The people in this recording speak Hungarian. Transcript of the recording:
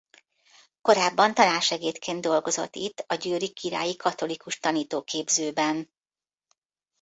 Korábban tanársegédként dolgozott itt a Győri Királyi Katolikus Tanítóképzőben.